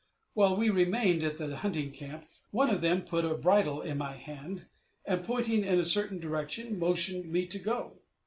While we remained at the hunting camp, one of them put a bridle in my hand, and pointing in a certain direction motioned me to go.